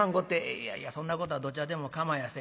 「いやいやそんなことはどっちゃでも構やせん。